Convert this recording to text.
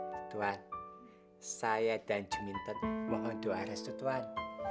hai saya dan komputer contoh alat kuat